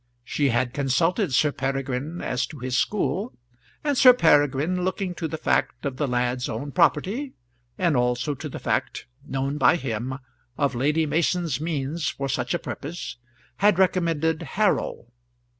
She had consulted Sir Peregrine as to his school, and Sir Peregrine, looking to the fact of the lad's own property, and also to the fact, known by him, of Lady Mason's means for such a purpose, had recommended Harrow.